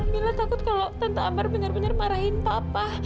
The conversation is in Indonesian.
mila takut kalau tante ambar benar benar marahin papa